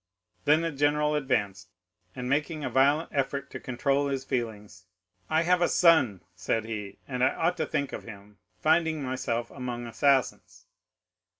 Then the general advanced, and making a violent effort to control his feelings,—"I have a son," said he, "and I ought to think of him, finding myself among assassins."